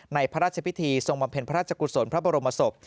พระราชพิธีทรงบำเพ็ญพระราชกุศลพระบรมศพ